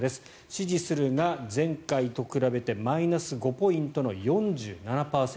支持するが前回と比べてマイナス５ポイントの４７％。